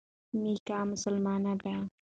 میکا مسلمان نه دی.